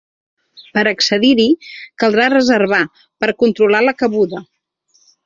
Per a accedir-hi, caldrà reservar per a controlar la cabuda.